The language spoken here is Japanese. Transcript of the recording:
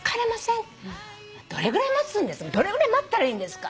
どれぐらい待ったらいいんですか？